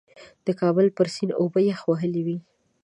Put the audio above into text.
د کابل پر سیند اوبه یخ وهلې وې.